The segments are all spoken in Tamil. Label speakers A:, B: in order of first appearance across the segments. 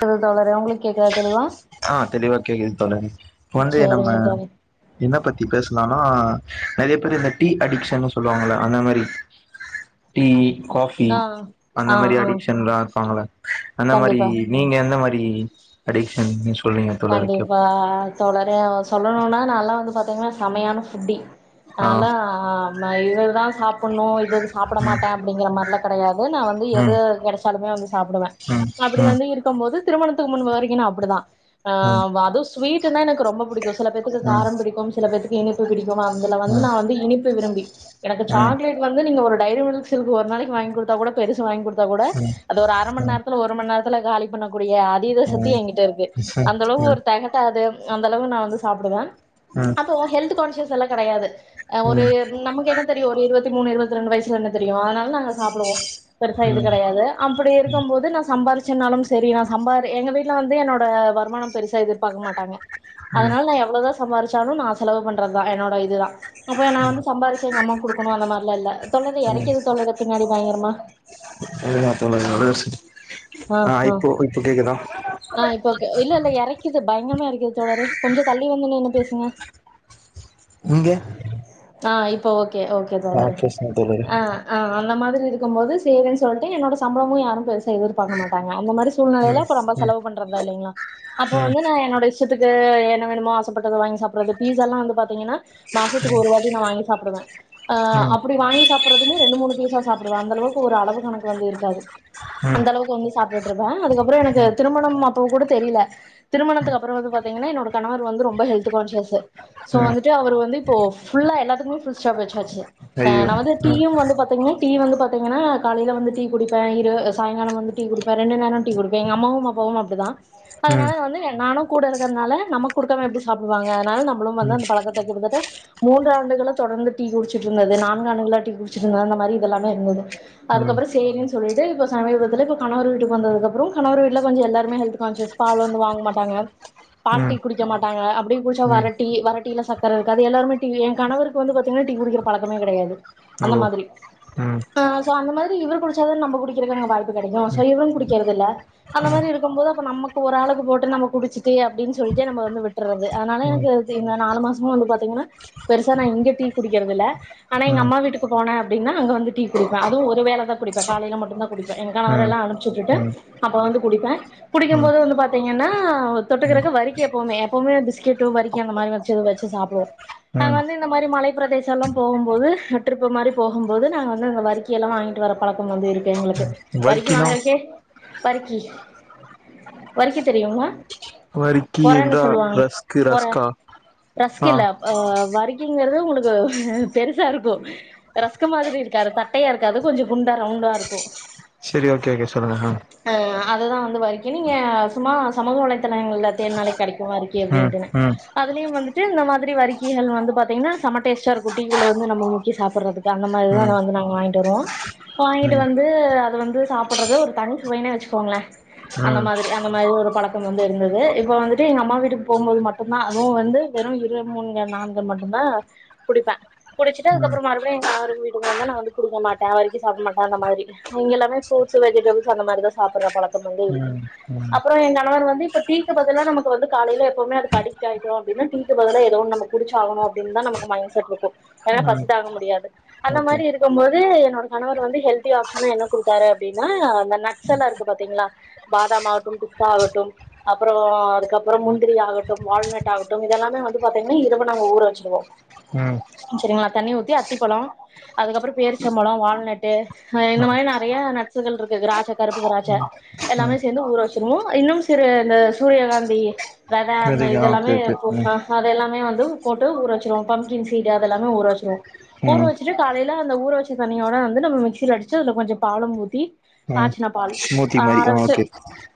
A: தோழரே உங்களுக்கு கேக்குதா தெளிவா
B: ஆ தெளிவா கேக்குது தொண நீ இப்ப வந்து நம்ம
A: சேரிங்க தோழி
B: என்ன பத்தி பேஸ்லானா அது எப்டின இந்த டீ அடிக்க்ஷன் சொல்லுவாங்களே அந்த மாதிரி டீ காஃபி
A: ஆ
B: அந்த
A: ஆ
B: மாதிரி
A: ஆ
B: அடிக்க்ஷன்லா இருப்பாங்கள அந்த மாரி டி
A: கண்டிப்பா
B: நீங்க எந்த மாதிரி டி அடிக்க்ஷன்
A: கண்டிப்பா தோழரே சொல் சொல்லணுனா நால்லா வந்து பாத்தீங்கனா செமையான ஃபுட்டி
B: ஆ
A: நாலா ஆ நா இவர்தா சாப்டணு இது சாப்பிட மாட்டே அப்டிங்கற மாரிலா கெடயாது நா வந்து எது
B: ம்
A: கெடச்ச தாலுமே வந்துச்சு சாப்டுவே
B: ம்
A: அப்டி
B: ம்
A: வந்து இருக்கம் போது திருமணத்துக்கு முன் வரைக்கு நா அப்டிதா ஆ
B: ம் ம் ம் ம் ம் ம் ம் ம் ம்
A: அதும் ஸ்வீட் இது ந ரொம்ப பிடிக்கு சில பேத்துக்கு காரம் பிடிக்கு சில பேத்துக்கு எனக்குப் பிடி இதுல வந்து நா வந்து இனிப்பு விரும்பி எனக்கு சாக்லேட் வந்து நீங்க ஒரு டைரி மில்க் சில்க் ஒரு நாளைக்கு வாங்கி குடுத்த கூட பெருசு வாங்கி குடுத்தா கூட அது ஒரு அர மணி நேரத்ல ஒரு மணி நேரத்ல [unintelligible] கூடிய அதீத சக்தி என்கிட்ட இருக்கு அந்த அளவுக்கு ஒருத்தெகட்டாது அந்த அளவுக்கு நா வந்து சாப்டுவே அப்போ ஹெல்த் கான்சியஸ் இதெல்லா கெடயாது ஒரு
B: ம்
A: நமக்கு என்ன தெரியு ஒரு இருபத்தி மூனு இரு ரெண்டு வயசுல என்ன தெரியு அதனால நாங்க சாப்டுவோ பெருசா இது
B: ம்
A: கெடையாது அப்படி இருக்கும் போது நா சம்பாரிச் ச்சநாலு சரி நா சம்பாரக எங்க வீட்டுல வந்து என்னோட வ வருமானம் பெருசா எதிர்பார்க்க மாட்டாங்க
B: ம்
A: அதனால நா எவ்வளோதா சம்பாிச்சாலு நா செலவு பண்றதுதா என்னோட இதுதா அப்ப நா வந்து சம்பாரிச்சே எங்க அம்மா குடுக்கணு அந்த மாரிலா இல்ல
B: ம்
A: இறக்கியது தொல்ல பின்னாடி பயங்கரமா
B: [unintelligible]
A: ஆ ஆ
B: இப்போ இப்போ கேக்குதா
A: ஆ இப்போக் ஆ இல்ல எறைக்குது பயங்கரமா எறைக்குது தோழரே கொஞ்சம் தள்ளி வந்து நின்னு பேசுங்க
B: இங்க
A: ஆ இப்போ ஒ ஓகே தோழரே
B: தோழரே
A: அ அ அந்த மாதிரி இருக்கும் மோது சேவிங்ஸ் வண்டு என்னோட சம்பளமோ யாரு பெருசா எ பாக்க மாட்டாங்க அந்த மாரி சூழ்நலைல
B: ம்
A: அப்பநம்ப
B: ம்
A: செலவு பண்றதா இல்லைங்களா அப்ப
B: ம்
A: வந்து நா என்னுடைய ஸ இஷ்டத்துக்கு என்ன வேணுமோ ஆசப்பட்டத வாங்கி சாப்பிடுறது பீஸாலா வந்து பாத்தீங்கன்னா மாசத்துக்கு ஒரு வாட்டி நா வாங்கி சாப்பிடுவே அ
B: ம்
A: அப்டி வாங்கி சாப்பிடுறதுக்குமே ரெண்டு மூணு பீஸா சாப்பிடுவே அந்தளவுக்கு ஒரு அளவு கணக்கு வந்து இருக்காது
B: ம்
A: அந்தளவுக்கு வந்து சாப்பிட்டுருந்தே அதுக்கப்புறோ எனக்கு
B: ம்
A: திருமணம் அப்போ கூட தெரியல திருமணத்துக்கு அப்புற வந்து பார்த்தீங்கன்னா என்னோட கணவர் வந்து ரொம்ப ஹெல்த் கான்சியேசு சோ
B: ம்
A: வந்துட்டு அவர் வந்து இப்போ ஃபுல்லா எல்லாத்துக்குமே ஃபுல் ஸ்டாப் வச்சாச்சு ஆ
B: ஐயோ
A: நா வந்து
B: ம்
A: டீயு வந் பாத்தீங்கன்னா டீ வந்து பாத்தீங்கன்னா காலையில வந்து டீ குடுப்பே இரு சாயங்காலோ வந்து டீ குடுப்பே ரெண்டு நேரோ டீ குடிப்பே அம்மாவு அப்பாவு அப்டிதா
B: ம்
A: அதனால வந்து நானு கூட இருக்கிறதுனால நம்ம குடுக்காம எப்டி சாப்பிடுவாங்க அதனால நம்மளு
B: ம்
A: வந்து அந்த பழக்கத்த கிட்டத்தட்ட மூன்று ஆண்டுகளா தொடர்ந்து டீ குடிச்சட்டு இருந்தது நான்கு ஆண்டுகளா டீ குடிச்சந்தது அந்த மாரி இதெல்லாமே இருந்தது
B: ம்
A: அதுக்கப்புறோ சேரின்னு சொல்லிட்டு இப்ப சமீபத்துல இப்ப கணவர் வீட்டுக்கு வன்ததுக்கு அப்பற கணவர் இல்ல கொஞ்ச எல்லாருமே ஹெல்த் கான்ஷியஸ் பாலோ எதோ வாங்கமாட்டாங்க
B: ம் ம்
A: பால் டீ குடிக்கமாட்டாங்க அப்டியு குடிச்சா வர டீ வர டீ இல்ல சக்கர இருக்காது எல்லாரு டீயே எ கணவருக்கு வந்து பாத்திகனா டீ குடிக்கிற பழக்கமே கடையாது
B: ஓ
A: அந்தமாதிரி
B: ம் ம்
A: சோ அந்தமாதிரி இவர் குடிச்சா தான நம்ப குடி [unintelligible] வாய்ப்பு கடைக்கு சோ இவரு குடிக்கிறது இல்ல அந்த
B: ம்
A: மாரி இருக்கும் போது நமக்கு ஒரு ஆளுக்கு போட்டு நம்ம குடிச்சிட்டு அப்டி சொல்ட்டு நம்ப வந்து விட்ருறது அதனால எனக்கு எங்க நாலு மாசமா வந்து பாத்திகனா பெருசா னா எங்கியு டீ குடிக்கிறது இல்ல ஆனா எங்க
B: ம்
A: அம்மா வீட்டுக்கு போன அப்டினா அங்க வந்து டீ குடிப்பே ஒரு வேல தா குடிப்பே காலைல மட்டு்தா குடிப்பே எ கனவரெல்லா அனுப்ச்சிவிட்டுட்டு
B: ம்
A: அப்போ வந்து குடிப்பே குடிக்கும்
B: ம்
A: போது வந்து பார்த்தீங்கன்னா தொட்டுக்கிறக்கு வரிக்கக எப்பவுமே எப்போவுமே பிஸ்கெட்டு வரிக்கி அந்த மாரி வச்சு வச்சு சாப்டுவோ நாங்க
B: ம்
A: வந்து இந்த மாதிரி மலை பிரதேசம்லா போகும்போது ட்ரிப்பு மாரி போகும்போது நாங்க வந்து அந்த வரிக்கியெல்லா வாங்கிட்டு வர பழக்கம் வந்து இருக்கு எங்களுக்கு வறிக்கி
B: வர்க்கினா
A: வாங்கருக்கே வரிக்கி வரிக்கி தெரியுமா
B: வரிக்கி
A: பொறன்னு
B: என்றா
A: சொல்லுவாங்களே
B: ரஸ்க்கு
A: பொற
B: ரஸ்கா ஆ
A: ங்கிறது உங்களுக்கு பெருசா இருக்கு ரச்கு மாதிரி இருக்காது தட்டையா இருக்காது கொஞ்ச குண்டா ரவுண்டா இருக்கு
B: சரி ஓகே ஓகே சொல்லுங்க ஹ
A: வரைக்கி நீங்க சும்மா சமூக வலைதளங்கள தேட்நாளே கடைக்கு வரிக்கி
B: ம்
A: அப்டின்டுனு
B: ம்
A: அதுலயு வந்து இந்த மாதிரி வரிக்குகள் வந்து பாத்தீங்கன்னா செம்ம டேஸ்ட் ஆ இருக்கு டீ குள்ள வந்து நம முக்கி சாப்பிறதுக்கு அந்த மாதிரிதா
B: ம் ம் ம்
A: நா வாங்கிட்டு வருவோ வாங்கிட்டு
B: ம்
A: வந்து து வந்து சாப்பிடுறது ஒரு தனி சுவையனே வச்சுக்கோங்களே அந்த மாதிரி அந்த மாதிரி ஒரு பழக்கம் வந்து இருந்தது இப்ப வந்துட்டு எங்க அம்மா வீட்டுக்கு போகும்போது மட்டுந்தா அதுவு வந்து வெறு இரு மூணு நான்கள் மட்டுந்தா குடிப்பே குடிச்சிட்டு அதுக்கப்புறோ மறுபடியு எ கணவரு வீட்டுக்கு வந்தா நா வந்து குடுக்க மாட்டே வரைக்கு சாப்பிட மாட்டே அந்த மாரி இங்க எல்லாமே ஃப்ரூட்ஸ் வெஜிடபிள்ஸ் அந்த மாதிரி தா சாப்பிட்ற பழக்கம் வந்து இருக்கு
B: ம் ம் ம்
A: அப்புற எ கணவர் வந்து இப்ப டீக்கு பதிலா நமக்கு வந்து காலைல எப்போமே அதுக்கு அடிக்ட் ஆயிக்குவோ அப்டினு டீக்கு பதிலா ஏதோ ஒன்னு நம்ம குடிச்ச ஆகணு அப்டின்தா நமக்கு மைண்ட் செட் இருக்கு ஏனா பசிதாக முடியாது அந்த
B: ஓகே
A: மாரி இருக்கும்போது என்னோட கணவர் வந்து ஹெல்தியா ஷனா என்ன குடுத்தாரு அப்படின்னா அந்த நடஸ் எல்லா இருக்கு பாத்தீங்களா பாதாம் ஆகட்டு பிஸ்தா ஆகட்டு அப்புற அதுக்கப்புறோ முந்திரி ஆகட்டு வால்நட் ஆகட்டு இதெல்லாமே வந்து பாத்தீங்கன்னா இரவு நாங்க ஊற வச்சருவோ
B: ம்
A: சரிங்களா தண்ணி ஊத்தி அத்திப்பழோ அதுக்கப்புற பேரிச்சம்பழோ வால்நட்டு் ஹ இந்த
B: ம்
A: மாரி நறைய நட்சுகள் இருக்கு திராச்ச கருப்புக திராச்சா எல்லாமே
B: ம்
A: சேர்ந்து ஊற வச்சிருவோ இன்னு சிறு இந்த சூரியகாந்தி வெத அந்த
B: வெரி ஆ
A: இது எல்லாமே
B: ஓகே ஓகே ம்
A: [unintelligible] அது எல்லாமே வந்து போட்டு ஊற வெச்சுருவோ பம்கீன் சீடு அதெல்லாமே ஊற வெச்சுருவோ ஊற
B: ம்
A: வெச்சுட்டு காலைல அந்த ஊற வெச்ச தண்ணியோட வந்து நம்ம மிக்ஸ் சில‌ அடுச்சா அதுல கொஞ்சோ பாலும் ஊத்தி
B: ம்
A: காச்சுனப் பால்
B: ஸ்மூத்தி மாரி
A: ஆர
B: ஆ
A: வெச்சு
B: ஓகே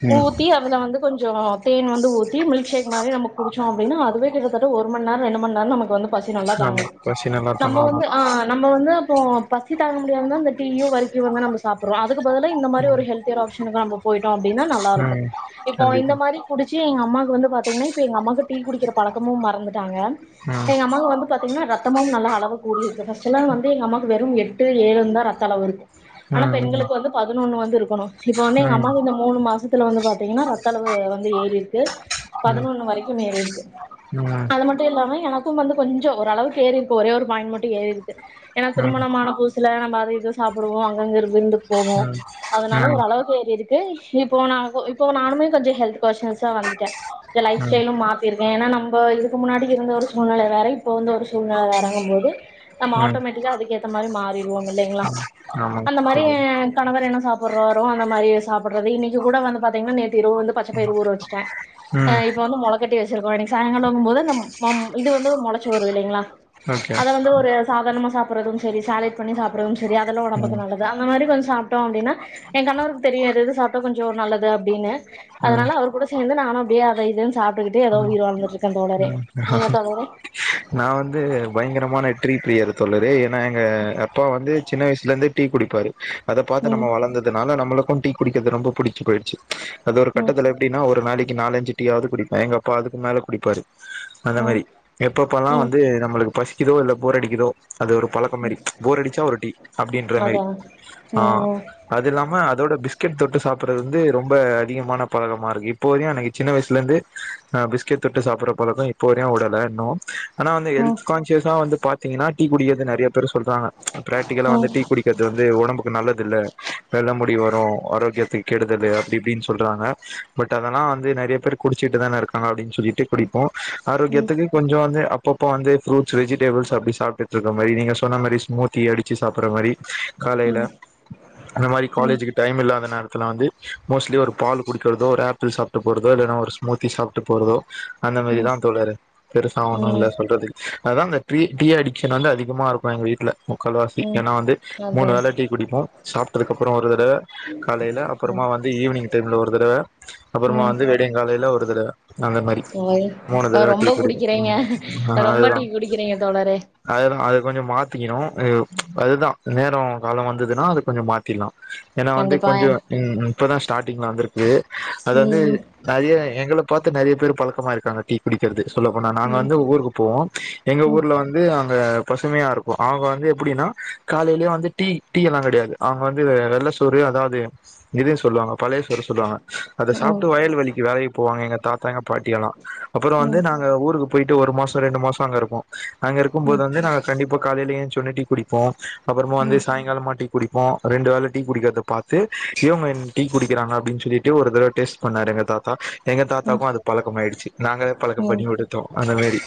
B: ம்
A: ஊத்தி அதுல வந்து கொஞ் [unintelligible] தேன் வந்து ஊத்தி மில்க்ஷேக் மாரி நம்ம குடுச்சோ அப்டின்னா அதுவே கிட்டத்தட்ட ஒரு மண் நேரோ ரெண்டு மண் நேரோ நமக்கு வந்து பசி நல்லா
B: ஆமா
A: தாங்குது
B: பசி நல்லா
A: நம்ம
B: தாங்க ஆமா
A: வந்து அ நம்ம வந்து போ பசி தாங்க முடியாமதா அந்த டீயு வரிக்கியுதா நம்ம சாப்புறோ அதுக்கு பதிலா இந்த மாரி
B: ம்
A: ஒரு ஹெல்தியான ஆப்ஷனுக்கு நம்ம போயிட்டோ அப் டினா நல்லா இருக்கு
B: ம்
A: இப்போ இந்த
B: கண்டிப்பா
A: மாரி குடுச்சு இதே எங்க அம்மாக்கு வந்து பாத்தீங்கன்னா இப்ப எங்க அமாக்கு டீ குடிக்கிற பழக்கமு மறந்து டாங்க
B: ம்
A: எங்க அம்மாவு வந்து பாத்தீங்கன்னா ரத்தமும் நல்லா அளவு கூடி இருக்கு ஃபஸ்டெல்லா வந்து எங்க அம்மாக்கு வெறும் எட்டு ஏழுந்தா ரத் த்தளவு இருக்கு ஆனா
B: ம் ம்
A: பெண்களுக்கு வந்து பதினொன்னு வந்து இருக்கணு இப்ப வந்து
B: ம் ம் ம் ம்
A: எங்க அம்மாவு இந்த மூணு மாசத்துல வந்து பாத்தீங்கன்னா ரத்த அளவு வந்து ஏறிருக்கு பதினொன்னு வரைக்கும் ஏறிருக்கு
B: ம் ம் ம்
A: அது மட்டு இல்லாம எனக்கும் வந்து கொஞ்சோ ஓரளவுக்கு ஏறிருக்கு ஒரே ஒரு பாயிண்ட் மட்டு ஏறி இருக்கு ஏனா திருமணமான புதுசுல நம்ம அது இதுஸ் சாப்புடுவோ அங்கங்க இரு விருந்துக் போவோ அதனால ஒரு அளவுக்கு ஏறி இருக்கு இப்போ நா இப்போ நானுமே கொஞ்சோ ஹெல்த் கொஷின்ஸா வந்துட்ட எ லைஃப் ஸ்டெயிலு மாத்திருக்க ஏன்னா நம்ப இதுக்கு முன்னாடிக்கு இருந்த ஒரு சூழ்நெல வேற இப்போ வந்து ஒரு சூழ்நெல வறங்கும் போது நம்ம
B: ம்
A: ஆட்டோமேட்டிக்கா அதுக்கு ஏத்த மாரி மாறிடுவோ இல்லைங்களா
B: ஆமா
A: அந்த
B: ஆமாங்க
A: மாதிரி எ கணவர் என்ன சாப்புராரோ அந்த மாரி சாப்புர்றது இன்னைக்கு கூட வந்து பாத்தீங்கன்னா நேத்து இரவு வந்து பச்ச பயிறு ஊற வெச்சுட்ட அ
B: ம்
A: இப்ப வந்து மொளக்கட்டி வெச்சுருக்கோ இன்னைக்கு சாயிங்காலங்கும் போது அந்த மம் இது வந்து ஒரு மொளச்சு வரு இல்லைங்களா
B: ஓகே
A: அத வந்து ஒரு சாதாரணமா சாப்புறதும் சேரி சாலேட் பண்ணி சாப்புறதும் சேரி அ அதல்லா ஒடம்புக்கு
B: ம் ம்
A: நல்லது அந்த மாரி கொஞ்சோ சாப்டோ அப்டின்னா எங் கணவருக்கு தெரியாது இது சாப்டா கொஞ்சோ நல்லது அப்டின்னு அதனால அவர் கூட சேந்து நானு அப்டியே அத இதுன் சாப்டுக்கிட்டே எதோ
B: ம்
A: உயிர் வாழ்ந்துட்ருக்கந் தோழரே
B: ம்
A: நீங்க தோழரே
B: நா வந்து பயங்கரமான ட்ரீ பிரியரு தோழரே என் நா எங்க அப்பா வந்து சின்ன வயிசுல இருந்து டீ குடிப்பாரு அத பாத்து
A: ம்
B: நம்ம வளந்ததுனால நம்மளுக்கும் டீ குடிக்குறது ரொம்போ புடுச்சு போயிருச்சு அது ஒரு
A: ம்
B: கட்டத்துல எப்டின்னா ஒரு நாளைக் நாலஞ்சு டீ யாது குடிப்ப எங்க அப்பா அதுக்கு மேல குடிப்பாரு அந்த
A: ம்
B: மாரி எப்பப் இப்பல்லா
A: ம்
B: வந்து நம்மள் இப்ப எனக்கு பசிக்குதோ இல்ல போர் அடிக்கிதோ அது ஒரு பழக்கோ மாரி போர் அடுச்சா ஒரு டீ அப்டின்ற மாரி
A: அதா
B: ஆ
A: ம் ம்
B: அது இல்லாம அதோட பிஸ் பிஸ்கெட் தொட்டு சாப்புறது வந்து ரொம்ப அதிகமான பழக்கமாக இருக்கு இப்போதைக்கு எனக்கு சின்ன வயிசுலேருந்து நா பிஸ்கெட் தொட்டு சாப்புற பழக்கோ இப்போ வரையு உடல இன்னு ஆனா வந்து
A: ம்
B: ஹெல்த்கான்சியஸா வந்து பாத் பாத்தீங்ன்கனா டீ குடிக்கிறத நறையா பேர் சொல்றாங்க பிராக்டிகலா வந்து
A: ம்
B: டீ குடிக்கிறது வந்து ஒடம்புக்கு நல்லது இல்ல வெள்ள முடி வரும் ஆரோகியதுக்கு கெடுதலு அப்டி இப்படின்னு சொல்றாங்க பட் அதெலாம் வந்து நெறைய பேர் குடிசுட்டுதானே இருகாங்க அப்டின்னு சொல்லிட்டு குடிப்போம்
A: ம்
B: ஆரோகியதுக்கு கொஞ்சம் அப்பபந்து ப்ரூட்ஸ் வெஜிடேபுள்ஸ் அப்டி சாப்ட்டுஇருக்குற மாரி நீங்க சொன்னா மாரி ஸ்முதி அடி ச்சு சாப்ற மாரி காலைல அந்த மாரி
A: ம்
B: காலேஜ்க்கு டைம் இல்ல நேர கலாந்து மோஸ்லி ஒரு பால் குடு த்தோ ஒரு ஆபிள் சாப்ட்டு போறதோ இல்லனா ஒரு ஸ்முதி சாப்ட்டு போறதோ அந்த
A: ம்
B: மாரிதான் தோழர் பெரு ஒன்னும் இல்ல
A: ம்
B: ல சொல்றதுக்கு அதான் அந்த டீ டீ அடிக்ஷன் வந்து அதிகமா இருகும் எங்க வீட்ல முகால்வாசி
A: ம்
B: ஏனா வந்து மூணு
A: அதா
B: வேல டீ குடிப்போம் சாப்டதுக்கு அப்புறோம் ஒரு தடவ காலையில
A: ம்
B: அப்புறமா வந்து ஈவினிங் டைம்ல ஒரு தடவ அப்புறமா
A: ம்
B: வந்து வெடியங் காலையில ஒரு தடவ அந்த மாரி மூணு
A: அ
B: தடவ டீ
A: ரொம்ப
B: குடிப்போம்
A: குடிக்கிறீங்க ரொம்ப டீ
B: அதுதான்
A: குடிக்கிறீங்க தோழரே
B: அதுதான் அத கொஞ்சம் மாத்திக்கணும் அதுதான் நேரம் காலம் வந்ததுனா அது கொஞ்சம் மாத்திலா ஏனா வந்து
A: கண்டிப்பா
B: கொஞ்சம் இப்பதான் ஸ்டாடிங்ல வந்திருக்கு அது
A: ம்
B: வந்து
A: ம்
B: நெறைய எங்கள பாத்து நெறைய பேரு பழகமாருகாங்க டீ குடிக்கிறது சொல்லுங்க ஆனா நாங்க
A: ம்
B: வந்து ஊருக்கு போவோம் எங்க
A: ம்
B: ஊர்ல வந்து அங்க பசுமையா இருக்கும் அவுங்க வந்து எப்டினா காலையிலயே வந்து டீ டீலாம் கெடையாது அவுங்க வந்து வெள்ள சோறு அதாவது இதுன்னு சொல்லுவாங்க பழைய சோறு சொல்லுவாங்க
A: ம்
B: அதைசாப்ட்டு வயல்வலிக்கு வேலைக்கு போவாங்க எங்க தாத்தாங்க பாட்டிலாம் அப்புறோம்
A: ம் ம் ம் ம் ம்
B: வந்து
A: ம்
B: நாங்
A: ம்
B: ஊருக்கு போய்ட்டு ஒரு மாசம் ரெண்டு மாசம் அங்க இருப்போம் அங்க இருக்கும் போது வந்து நாங்க கண்டிப்பா காலையில எஞ்ச்சொனே டீ குடிப்போம் அப்புறமா வந்து சாயங்காலமா டீ குடிப்போம் ரெண்டு வேல டீ குடிக்கிறத பாத்து இவுங்க என் டீ குடிகிறாங்க அப்டினு சொல்லிட்டு ஒரு தடவ டேஸ்ட் பண்ணாரு எங்க தாத் எங்க தாத்தாக்கும் அது பழகமாயிரிச்சு நாங்களே பழக்கம்
A: ம்
B: பண்ணி கொடுத்தோம் அந்த மாரி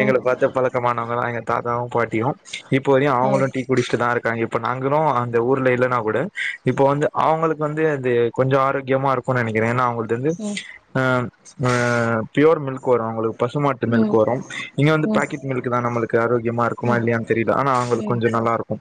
B: எங்கள பாத்தே பழக்கமானவங்க தான் எங்க தாத்தாவும் பாட்டியும் இப்போவரியும் அவுங்களும் டீ குடிச்சுட்டு தான் இருக் இப்ப நாங்களும் அந்த ஊர்ல இல்லனா கூட இப்ப வந்து அவுங்களுக்கு வந்து அது கொஞ்சம் ஆரோக்கியமா இருக்குனு நனைகிறேன் ஏனா அவுங்களு இருந்து அ அ பியூர் மில்க் அவுங்களுக்கு பசுமாட்டு மில்க் வரும் இங்க வந்து
A: ம்
B: பாக்கெட் மில்க் தான் நம்மளுக்கு ஆரோக்கியமா இருக்குமா இல்லையான்னு தெரியல ஆனா
A: ம்
B: அவுங்களுக்கு
A: ம்
B: கொஞ்சம் நல்லா இருக்கும்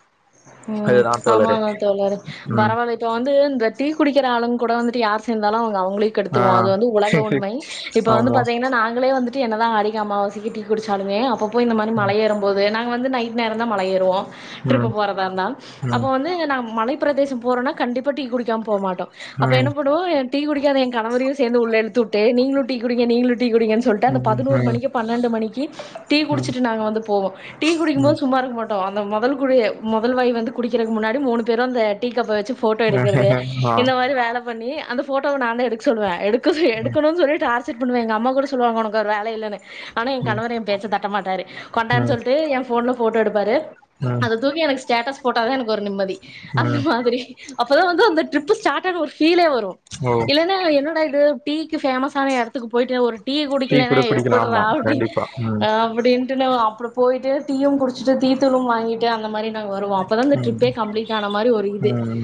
A: ம் ஆமாங்க தோழர்
B: ம்
A: பரவால்ல இப்போ வந்து இந்த டீ குடிக்கிற ஆளுங்க கூட வந்துட்டு யாரு இருந்தாலும் அவங்க உலுக்கி
B: ஆ
A: எடுதுருவோம் அது வந்து உலக உண்மை இப்ப வந்து
B: ஆமா
A: பாத்தீங்கனா நாங்களே வந்து டீ என்ன தான் ஆடிக்கு அம்மாவாசைக்கி டீ குடிச்சாலுமே அப்பப்போ போய் இந்த மாரி
B: ம்
A: மலை ஏறும் போது தான் வந்து நைட் நேரம் தான் மல ஏறுவோம்
B: ம் ம்
A: எப்பபோறதா இருந்தாலும்
B: ம்
A: அப்போ வந்து நாங்க மழை மலை பிரதேசம் போறன்னா கண்டிப்பா டீ குடிக்காம போமாட்டோம் அப்ப என்ன
B: ம்
A: பண்ணுவோம் டீ குடிக்காத என் கணவரையும் சேர்ந்து உள்ள இழுத்துவிட்டு நீங்களும் டீ குடிங்க நீங்களும் குடிங்கு சொல்லிட்டு அந்த பதினோரு
B: ம்
A: மணிக்கு பன்னெண்டு மணிக்கு டீ
B: ம்
A: குடிச்சட்டு நாங்க வந்து போவம்டீ
B: ம்
A: குடிக்கும்போது சும்மாருக்கு மட்டும் தா அந்த முதல் குடிய முதல் வாய் வந்து குடிக்கிறதுக்கு முன்னாடி மூணு பேரும் அந்த டீ கப்ப வச்சு போட்டோ எடுக்கிறது
B: ஆ
A: இந்த மாரி வேல பண்ணி அந்த போட்டோவ நான் தான் எடுக்க சொல்லுவேன் எடுத்
B: ம்
A: எடுக்கணும் சொல்லிட்டாரு செக்பண்ணுவ எங்க அம்மா கூட சொல்லுவாங்க உனக்கு ஒரு வேல இல்லன்னு ஆனா என்
B: ம்
A: கணவர் என் பேச்ச தட்ட மாட்டாரு கொண்டான் சொல்ட்டு என் போன்ல போட்டோ எடுப்பாரு
B: ஹ
A: அத தூக்கி எனக்கு ஸ்டேட்டஸ் போட்டாதான் எனக்கு ஒரு நிம்மதி அந்த
B: ம்
A: மாதிரி அப்ப தான் வந்து அந்த ட்ரிப் ஸ்டார்டக கீழே வரும்
B: ஓ
A: இல்லன்னா என்னடா இது டீக்கு ஃபேமஸான எடத்துக்கு போயிட்டு ஒரு டீய
B: டீ
A: குடிக்கலனா
B: கூட குடிக்கலா
A: எப்புட்றா
B: ஆமா
A: அப்டின்னு
B: கண்டிப்பா ம்
A: அப்படின்னு அப்டின்னா அப்புறம் போயிட்டு டீயும் குடிச்சுட்டு டீதூளும் வாங்கிட்டு கெ அந்த மாரி வருவோம் அப்பதான் இந்த
B: ம்
A: டிரிப்பே கம்ப்ளீட் ஆன மாரி ஒரு இது
B: ம்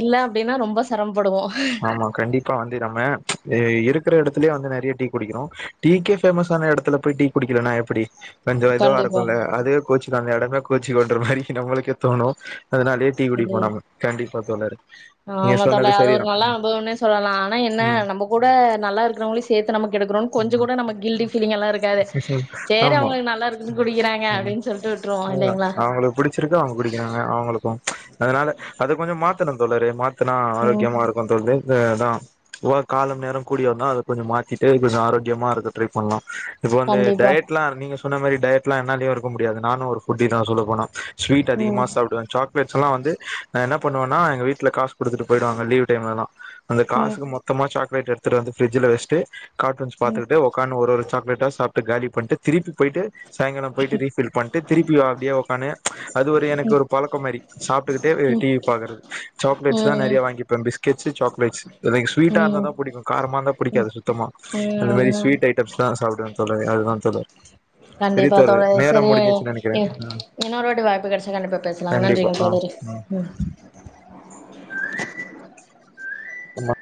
A: இல்ல ஏன்னா ரொம்ப சிரமம்
B: ஆம்மா கண்டிப்பா வந்து நம்ம இருக்குற இடத்துலயே வந்து டீ குடிக்கணும் டீக்கே பேமஸ்சான இடத்துல போய் டீ குடிக்கலனா எப்படி கொஞ்சோ இதுவா
A: கண்டிப்பா
B: இருக்குல்ல அதே கூச்சு நா அந்த இடமே கொச்சி கொண்டற மாரி நமளுக்கே தோணு அதனாலயே டீ
A: இல்லையா
B: குடிக்கபோனாங் கண்டிப்பா தோழரு நீ சொன்னது சரிதா
A: ல்லா அனுபவனே சொல்லலா ஆனா என்ன
B: ம்
A: நம்ப கூட நல்லா இருக்கிறவங்லியு சே த்து நமக்கு எடுக்கனு கொஞ்ச
B: ம்
A: கூட நம்ம கில்டி ஃபிலிங்கால்லா இருக்காது சேரி
B: ஆமா
A: அவங்களுக்கு நல்லா இருக்குன்னு குடிக்கிறாங்க
B: ஆமா
A: அப்பிடின்னு சொல்லிட்டுவுட்டுருவோ
B: அவ்ளதா
A: இல்லைங்களா
B: அவங்களுக்கு புடிச்சிருக்கு அவங்க குடிக்கிறாங்க அவங்களுக்கு அதனால அது கொஞ்சோ மாத்தணு தோழரே மாத் த்தனா
A: ம்
B: ஆரோக்கியமா இருக்கு தோழ்ரே த அதா ஓ காலம் நேரம் கூடிய வந்தா அத கொஞ்சம் மாத்திட்டு பிரோச ஆரோக்கியமா இருக்க ட்ரை பண்ணலா இப்ப வந்து
A: கண்டிப்பா
B: டைட்ல்லா நீங்க சொன்ன மாதிரி டைட்ல்லா என்னா லீவ் எடுக்க முடியாது நானு ஒரு ஃபுட்டிதா சொல்ல போனா ஸ்வீட்
A: ம்
B: அதிகமாக சாப்பிடுவே சாக்லேட்ஸ்ல்லா வந்து என்ன பண்ணுவன்னனா எங்க வீட்டல காசு குடுத்துட்டு போயிடுவாங்க லீவ் டைம்ல்லா அந்த
A: ம்
B: காசுக்கு மொத்தமா சாக் லேட்டு எடுத்துட்டு வந்து ஃபிரிட்ஜல வெச்ட்டு காரூன்ஸ் பாத்துட்டு உக்கார்னு ஒரு ஒரு சாக்லேட் ட்டா சாப்புட்டு காலி பண்ட்டு திருப்பி போயிட்டு சாயங்காலம் போயிட்டு ரீஃபில் பண்ணிட்டு திருப்பி வா அப்பிடியே உக்கானு அது ஒரு எனக்கு ஒரு பழக்க மாரி சாப்புட்டுக்கிட்டே டிவி பாக்கறது
A: ம்
B: சாக்லேட்ஸ் தா
A: ம்
B: நெறைய வாங்கிப்பே பிஸ்கேட் ச்சி சாக்லேட்ஸ் எது ஸ்வீட்டா இருந்தா
A: ம்
B: தா புடிக்கு காரமாந்தா புடிக்காது சுத்தமா அந்த மாரி
A: ம்
B: ஸ்வீட் ஐட்டம்ஸ் தா சாப் தோழரே அதுதா தோழ
A: கண்டிப்பா தோழரே சரி இ
B: ஆ
A: இன்னொருவாட்டி வாய்ப்பு கெடைச்சா கண்டிப்பா பேசலாங்க
B: கண்டிப்பா
A: நன்றிங்க
B: ஆ
A: தோழரே ம்
B: உமா